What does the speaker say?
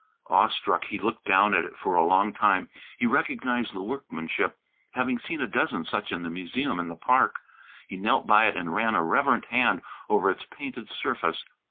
Awestruck, he looked down at it for a long time. He recognized the workmanship, having seen a dozen such in the museum in the park. He knelt by it and ran a reverent hand over its painted surface.